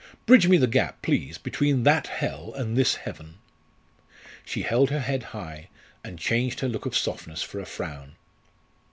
Bridge me the gap, please, between that hell and this heaven!" She held her head high, and changed her look of softness for a frown.